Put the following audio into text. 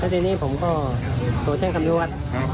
แล้วทีนี้ผมก็โทรเช่นกำรวจ